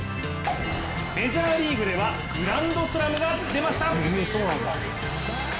メジャーリーグではグランドスラムが出ました。